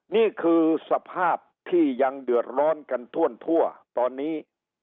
นี่คือสภาพที่ยังเดือดร้อนกันทั่วตอนนี้